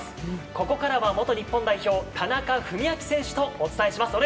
ここからは元日本代表田中史朗選手とお伝えします。